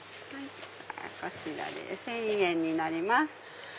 こちらで１０００円になります。